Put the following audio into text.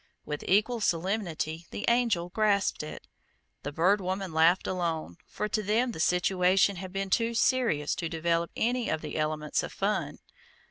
With equal solemnity the Angel grasped it. The Bird Woman laughed alone, for to them the situation had been too serious to develop any of the elements of fun.